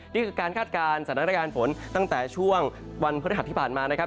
นี่คือการคาดการณ์สถานการณ์ฝนตั้งแต่ช่วงวันพฤหัสที่ผ่านมานะครับ